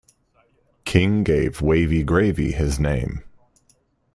King gave Wavy Gravy his name.